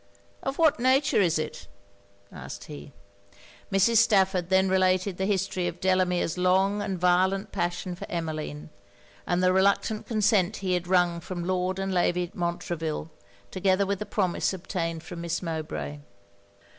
'Of what nature is it?' asked he. Mrs. Stafford then related the history of Delamere's long and violent passion for Emmeline; and the reluctant consent he had wrung from Lord and Lady Montreville, together with the promise obtained from Miss Mowbray.